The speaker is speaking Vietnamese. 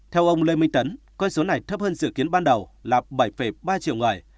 theo ông lê minh tấn con số này thấp hơn dự kiến ban đầu là bảy ba triệu người